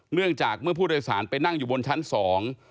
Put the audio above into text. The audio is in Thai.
เนื่องจากเมื่อผู้โดยสารไปนั่งอยู่บนชั้นสอง